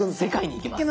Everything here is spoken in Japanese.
行きます。